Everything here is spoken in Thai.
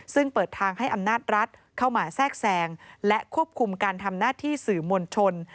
ซึ่งเปิดทางให้อำนาจรัฐเข้ามาแทรกแซงและควบคุมการทำหน้าที่สื่อมวลชน